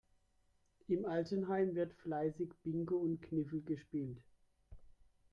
Im Altenheim wird fleißig Bingo und Kniffel gespielt.